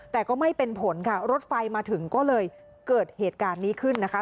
แต่ก็ไม่เป็นผลค่ะรถไฟมาถึงก็เลยเกิดเหตุการณ์นี้ขึ้นนะคะ